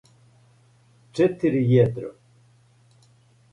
четири једро